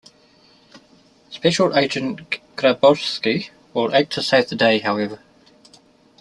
Special Agent Grabowsky will act to save the day, however.